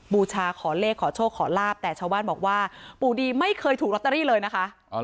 บูชาขอเลขขอโชคขอลาบแต่ชาวบ้านบอกว่าปู่ดีไม่เคยถูกลอตเตอรี่เลยนะคะ